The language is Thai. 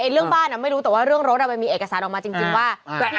เรื่องบ้านไม่รู้แต่ว่าเรื่องรถมันมีเอกสารออกมาจริงว่า